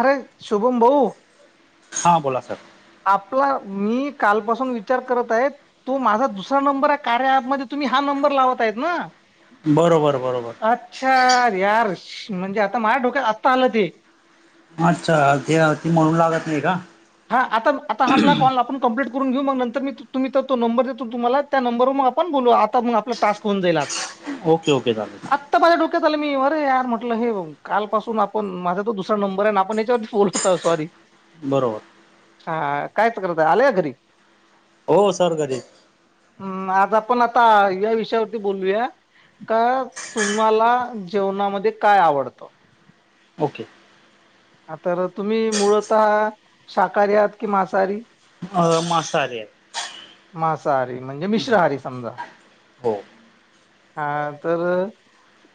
अरे शुभम भाऊ.. हा बोला सर... आपला मी कालपासून विचार करत आहे तो माझा दुसरा नंबर आहे कार्या ऍपमध्ये त... मी हा नंबर लावत आहेत ना बरोबर बरोबर अच्छा यार म्हणजे आता माझ्या डोक्यात आत्ता आलं ते.... अच्छा ते आरती म्हणू लागत नाही का? हा आता आता आपा आपला कॉल आपण कम्प्लीट करून घेऊ मग नर मी तुम्ही तर तो नंबर देतो तुम्हाला त्या नंबर मग आपण बोलू आता मग आपला टास्क होऊ जाईलच... ओके ओके चालेल आत्ता माझ्या डोक्यात आलं मी वर यार म्हटल..... हे काल पासून आपण माझा तो दुसरा नंबर आहे ना आपण याच्यावरती फोन होतो सॉरी.... बरोबर..... हा कायच करत आले या घरी... हो सर्गरीे.. हम्म, आज आपण आता या विषयावरती बोलूया.... का तुम्हाला जेवणामध्ये काय आवडतं... ओके.. आ तर तुम्ही मुळत शाकाहारी आहात कि मांसाहारी अ मासाारी मांसाहारी म्हणजे मिश्रहारी समजा हो हा तर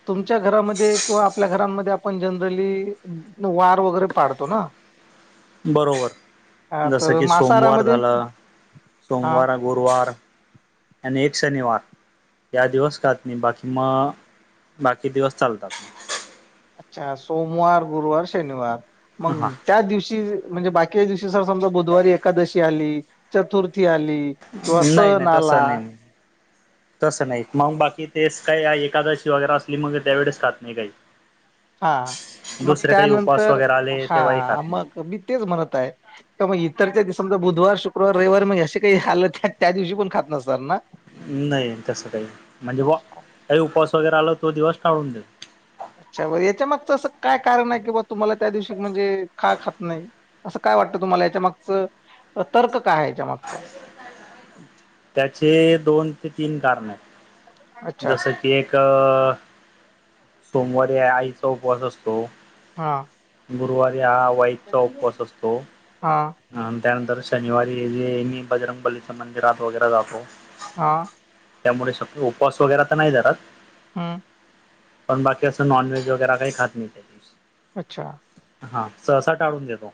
तुमच्या घरामध्ये किंवा आपल्या घरांमध्ये आपण जनरली वार वगैरे पाडतो ना ह बरोबर जसं की सोमवार मांसाहारामध्ये झालं हा सोमवार गुरुवार आणि एक शनिवार या दिवस काात नाही बाकी मग बाकी दिवस चालतात अच्छा सोमवार गुरुवार शनिवार हां मग त्या दिवशी म्हणजे बाकीच्या दिवशी सर समजा बुधवारी एकादशी आली चतुर्थी आली किंवा सण आला तस नाही मग बाकी तेच काही एकादशी वगैरे अस मग त्यावेळेस खात नाही काही हा... मग दुसरे काही उपवास त्यानंतर वगैरे आले हा तेव्हाही खात नाही मग मी तेच म्हणत आहे मग इतरच्या दिसत.... समजा बुधवार शुक्रवार रविवार म असे काही आलं त्या त्या दिवशी पण खात नसणार ना... नाही तसं काही म्हणजे काही उपवास वगैरे आला तो दिवस टाळून देतो... अच्छार याच्या मागच असं काय कारण आहे की बा तुम्हाला त्या दिवशी म्हणजे ख खात नाही असं का काय वाटत तुम्हाला याच्या मागच तर्क काय आहे याच्या मागच त्याचे दोन ते तीन कारण अच्छा जस की एक सोमवारी आईचा उपवास असतो हा गुरुवारी हा वाईकचा उपवास असतो हा अ त्यानंतर शनिवारी जे मी बजरंगबलीच्या मंदिरात वगैरे जातो हा त्यामुळे श उपवास वगैरे तर नाही जरात हा पण बाकी असं नॉनव्हेज वगैरे काही खात नाही अच्छा ससा टाळून देतो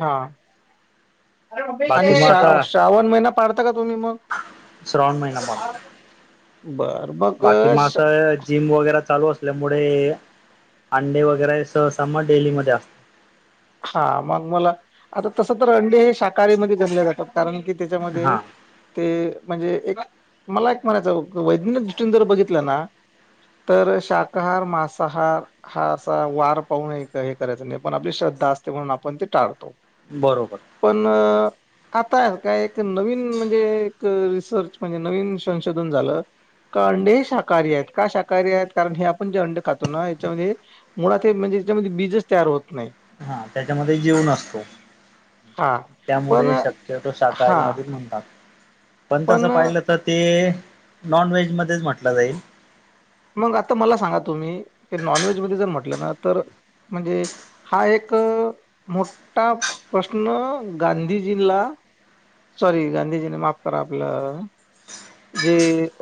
हा बाकी आणि मग श आता श्रावन महिना पाडता का तुम्ही मग श्रवण महिनामा बर मग बाकी श्रा माता जिम वगैरे चालू असल्यामुळे अंडे वगैरे सहसा म डेलीमध्येध्ये असत हा मग मला आता तस तर अंडे हे शाकाहारीमध्ये गनले जातात कारण की त्याच्यामध्ये हा ते म्हणजे एक मला एक म्हणायचं वैज्ञानिक दृष्टीन जर बघितलं ना तर शाकाहार मांसाहार हा असा वार पाहून हे करायच नाही पण आपली श्रद्धा असते म्हणून आपण ते टाळतो बरोबर पण आता काय एक नवीन म्हणजे एक रिसर्च म्हणजे नवीन संशोधन झालं का अंडे शाकाहारी आहेत का शाकाहारी आहेत कारण हे आपण जे अंड खातो ना याच्यामध्ये मुळात म्हणजे त्याच्या बीजच तयार होत नाही हा त्याच्यामध्ये जीव नसतो हा त्यामुळे पण शक्य तो शाकाहारी हा मच म्हणतात पण तसं पाहिलं तर ते नॉन व्हेज मध्येच म्हटलं जाईल मग आता मला सांगा तुम्ही नॉनव्हेज म जर म्हटलं ना तर म्हणजे हा एक एक मोठा प्रश्न गांधीजीला सॉरी गांधीजीने माफ करा आपलं जे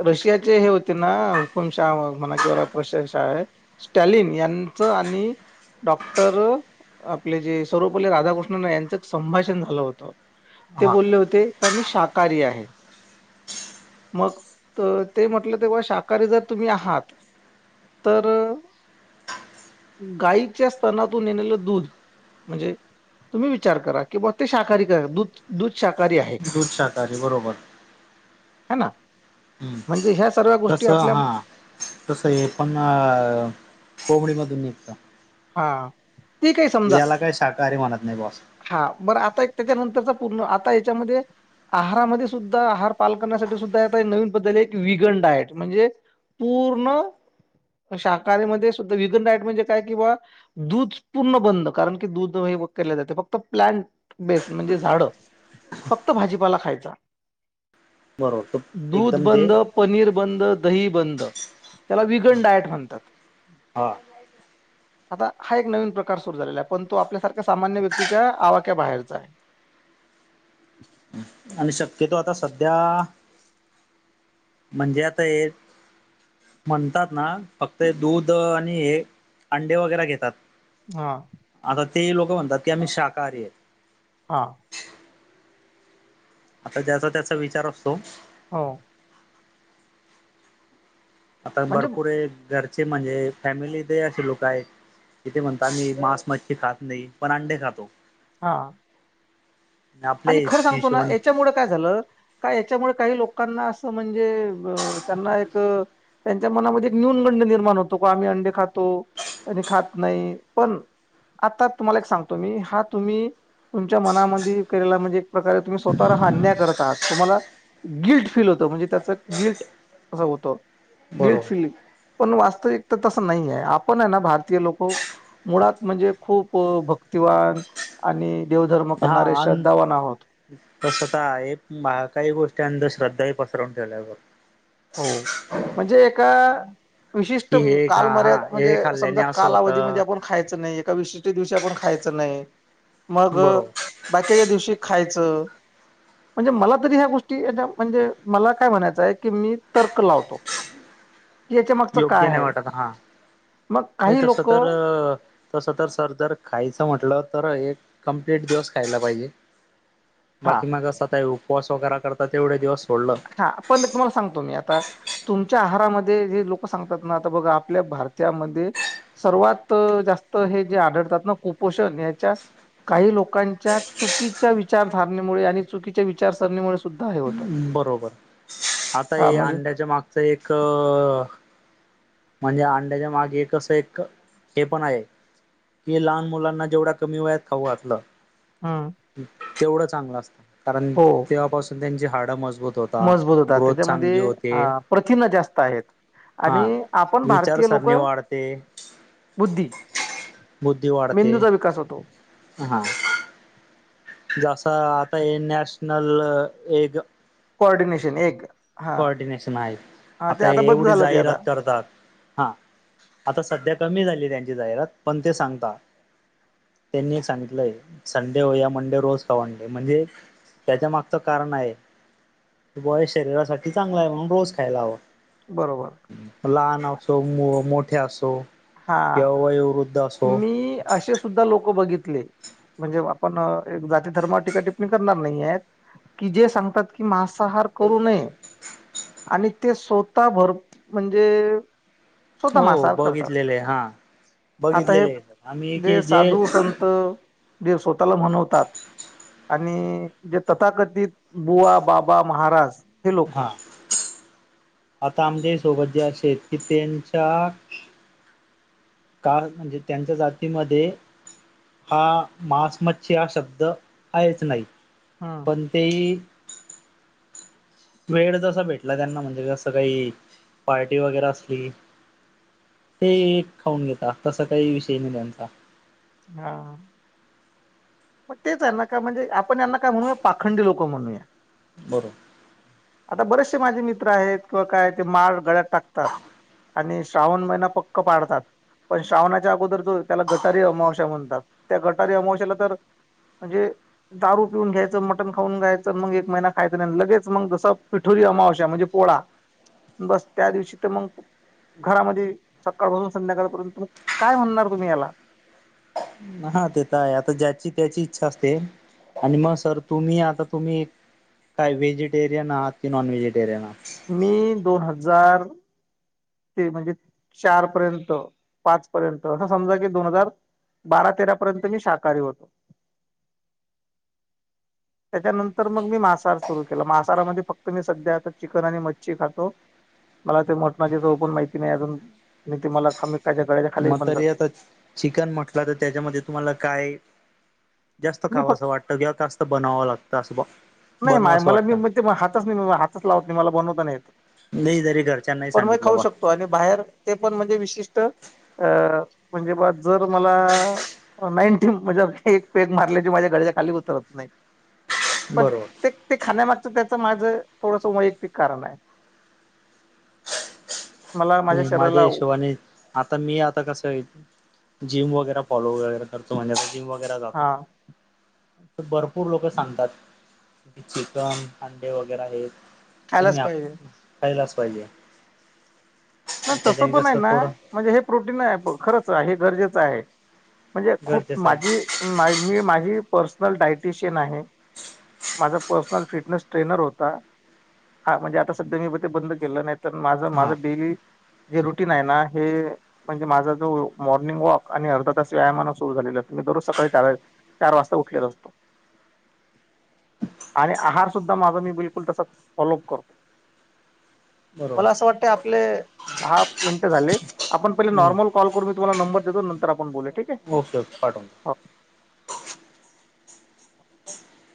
रशियाचे हे होते ना हुकुम शा म्हणा कि रशिया शा आहे स्टॅलिन यांचं आणि डॉक्टर आपले जे सर्वपल्ली राधाकृष्णन यांचं संभाषण झालं होतं ते हा बोलले होते का मी शाकाहारी आहे मग ते म्हटलं तेव्हा शाकाहारी जर तुम्ही आहात तर गाईच्या स्तनातून येलेलं दूध म्हणजे तुम्ही विचार करा कि बा ते शाकाहारी दुध शाकाहरी दूध शाकाहारी बरोबर ह ना म्हणजे ह तस हा तस आहे पण अ कोंबडीमधून निघत हा ते काही समजा शाकाहारी म्हणत नाही बॉस हा बरं आता एक त्याच्यानंतरचा पूर्ण आता याच्यामध्ये आहामध्ये सुद्धा आहार पाल करण्यासाठी सुद्धा आता नवीन पद्धती एक विगन डायट म्हणजे पूर्ण शाकाहारीमध्ये सुद्धा विगन डाईट म्हणजे काय कि बा दूध पूर्ण बंद कारण की दूध हे केले जाते फक्त प्लंट बेस् म्हणजे झाड फक्त भाजीपाला खायचा बरोबर त दूध एकदम ते बंद पनीर बंद दही बंद त्याला विगन डायट म्हणतात बर आता हा एक नवीन प्रकार सुरू झालेला आहे पण तो आपल्यासारख्या सामान्य व्यक्तीच्या आवाक्या बाहेरचा आहे आणि शक्यतो आता सध्या म्हणजे आता हे म्हणतात ना फक्त दूध आणि हे अंडे वगैरे घेतात हा आता ते लोक म्हणतात की आम्ही शाकाहारी आहेत हा आता ज्याचा त्याचा विचार असतो हो आता म्हणजे भरपूर घरचे म्हणजे फॅमिलीत हि असे लोक आहेत तिथे म्हणत आम्ही मांस मच्छी खात नाही पण अंडे खातो. हा आपल्या आणि खरं सांगतो ना हिशोबाने याच्यामुळे काय झालं का याच्यामुळे काही लोकांना असं म्हणजे अ त्यांना एक त्यांच्या मनामध्ये एक न्यूनगंड निर्माण होतो का आम्ही अंडे खातो आणि खात नाही पण आता तुम्हाला एक सांगतो मी हा तुम्ही तुमच्या मनामध्ये केलेला म्हणजे एक प्रकारे तुम्ही स्वतःवर हा अ्न्याय करत आहात तुम्हाला गिल्ट फील होत म्हणजे त्याच गिल्ट असं होतं गिल्ट फिलि बरोबर पण वास्तविक तर तसं नाही आहे आपण आहे ना भारतीय लोक मुळात म्हणजे खूप भ भक्तीवान आणि देवधर्म हा करणारे श्रद्धावान आहोत तस काही गोष्टी अंधश्रद्धा श्रद्धाही पसरवून ठेवल्यावर हो म्हणजे एका विशिष्ट कि हे खा काल हा मर्याद हे म्हणजे खाल्ल्याने समजा असं कालावधीमध्ये होतं आपण खायच नाही दिवशी आप खायच नाही मग बरोबर बाकीच्या दिवशी खायच म्हणजे मला तरी ह्या गोष्टीच्या म्हणजे मला काय म्हणायचं आहे की मी तर्क लावतो की याच्या मागचं योग्य काय नाही आहे वाटत हा मग नाही काही तस लोक तर तस तर सर जर खायच म्हटलं तर एक कम्प्लिट दिवस खायला पाहिजे हा बाकी मग असा काय उपवास वगैरे करतात तेवढे दिवस सोडलं हा पण तुम्हाला सांगतो मी आता तुमच्या आहारामध्ये जे लोक सांगतात ना आता बघा आपल्या भारतामध्ये सर्वात जास्त [unintelligible] ओपोचन त्यांच्यामध्ये आढळतात. [unintelligible] काही लोकांच्या चुकीच्या विचारधारणेमुळे आणि चुकीच्या विचारसरणीमुळे सुद्धा हे होतं. बरोबर आता हा म्हणजे अंड्याच्या मागचं एक म्हणजे अंड्याच्या मागे कस एक हे पण आहे [unintelligible] कि लहान मुलांना जेवढा कमी वेयात खाऊ घातलं हम्म तेवढं चांगलं असतं कारण हो तेव्हापासून त्यांची हाडं मजबूत राहतात. मजबूत होतात झोप चांगली त्याच्यामध्ये होते. हा प्रथिनं जास्त आहेत आणि आपण भारतीय लोक बुद्धिमत्ता वाढते बुद्धी विचार वाढता. मेंदूचा विकास होतो हा. नॅशनल जसं एक आहे. एक कोऑर्डिनेशन हा कोऑर्डिनेशन आहे हा ते आता ही बंद एवढी झालं ते जाहिरात आता करतात. आता सध्या कमी झाली त्यांची जाहिरात पण ते सांगता त्यांनी एक सांगितलंय संडे हो या मंडे रोज खा अंडे त्याच्या मागच कारण आहे. बॉय शरीरासाठी लहान असं किंवा मोठे रोज खायला बरोबर ते चांगलं असतं. हा केव्हा येर [unintelligible] मी असे सुद्धा लोक बघितले. म्हणजे. आपण जाती धर्मावर टीका करायची नाही आहेत. की जे सांगतात की मासाहार त्यांचा आहार आहे. ते स्वतः करू नये. हो बघितलेलं आहे हा बघित [unintelligible] आता जे साधू संत जे स्वतःला म्हण तात आणि जे तथाकथित बुवा बाबा महाराज हे लोक [unintelligible] हा आता आमच्या सोबत जे असे की त्यांच्या. का म्हणजे त्यांच्या जातीमध्ये हा मसमच्छ हा शब्द आहेच नाही हम्म पण तेही वेळ जसा भेटला त्यांना म्हणजे कसं काही पार्टी वगैरे असली तसं ते एक खाऊन घेता काही विषय नाही त्यांचा हा म्हणजे आपण यांना काय म्हणूया पाखंडी लोक म्हणूया बरं आता बरेचसे माझे मित्र आहेत. ते माळ गळ्यात घालतात. आणि श्रावण महिनाश्रावणाच्या अगोदर जो त्याला गटार अमावस्या म्हणतात. गटारी अमावस्याला तर म्हणजे दारू पिऊन घ्यायचं मटण खाऊन घायचं मग एक महिना खायचं नाही लगेच मग जस पिठोली [unintelligible] या अमावस्येच्या दिवशी पोळा असतो. घरामध्ये सकाळ बासून संध्याकाळपर्यंत म काय म्हणणार तुम्ही याला बैल पोळा ज्याची त्याची इच्छा असते. आणि मग सर तुम्ही आता तुम्ही काय व्हेजिटेरियन आहात की नॉन व्हेजिटेरियन आहात [unintelligible] मी दोन हजार दोन हजार ते चार-पाच पर्यंत. राधा तेरा पर्यंत मी शाकाहारी होते त्याच्यानंतर मी मांसाहार सुरू केला मासाारमध्ये फक्त मी. चिकन आणि मच्छी खातो. मला मटणाची चव हे अजून माहिती नाही. काच्या गळ्याच्या खाली मग तर बनतात आता चिकन म्हटलं तर त्याच्यामध्ये. जास्त मी फक्त खावासं वाटतं किंवा जास्त बनवायचं वाटतं नाही मा मला मी हातच नाही हातच लावत नाही मला बनवता नाही येत नाही जरी घरच्यांनाही [unintelligible] पण हे सांगितलं खाऊ बा शकतो आणि बाहेर ते पण विशिष्ट अ म्हणजे मग जर मला नाईन टी म्हणजे एक पेग मारले माझ्या घश्यात [unintelligible] खाली उतरत नाही पण बरोबर ते ते खाण्यामागे त्याच माझं थोडस वैयक्तिक कारण आहे मला माझ्या शरीराला हिशोबाने आता मी आता कस आहे जिम वगैरे फॉलो वगैरे करतो म्हणजे आ जिम वगैरे जातो हा तर भरपूर लोक सांगतात चिकन अंडे वगैरे आहेत खायलाच तुम्ही पाहिजे खायलाच पाहिजे. नाही तसं त्याच्याने पण आहे कसं ना, थोडं म्हणजे हे प्रोटीन आहे आपलं खरंच हे गरजेचं आहे. म्हणजे खूप गरजेचं आहे माझी मी माझी पर्सनल डायटिशियन आहे. माझा पर्सनल फिटनेस ट्रेनर होता हा म्हणजे आता सध्या मी ते बंद केलं नाही तर माझं हा माझं डेली रुटीन आहे ना हे म्हणजे माझा जो मॉर्निंग वॉक आणि अर्ध तास व्याया सु झा तुम्ही दररोज सकाळी चार चार वाजता उलेला असतो आणि आहार सुद्धा माझा मी बिलकुल तसा फलोप करतो बरोबर मला असं वाटत आपले दहा मिनटं झाले आपण पहिले हम्म नॉर्मल कॉल करू मी तुम्हाला नंबर देतो नंतर आपण बोलूया ओके ओके पाठव ह